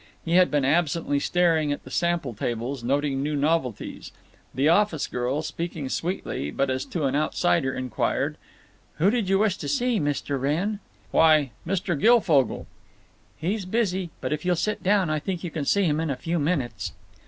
He had been absently staring at the sample tables, noting new novelties. The office girl, speaking sweetly, but as to an outsider, inquired, "Who did you wish to see, Mr. Wrenn?" "Why! Mr. Guilfogle." "He's busy, but if you'll sit down I think you can see him in a few minutes."